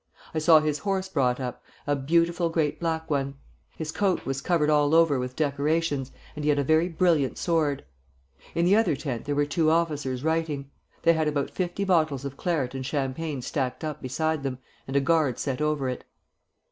I saw his horse brought up, a beautiful, great black one. His coat was covered all over with decorations, and he had a very brilliant sword. In the other tent there were two officers writing. They had about fifty bottles of claret and champagne stacked up beside them, and a guard set over it.